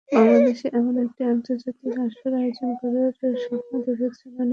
বাংলাদেশে এমন একটি আন্তর্জাতিক আসর আয়োজন করার স্বপ্ন দেখছি অনেক দিন ধরে।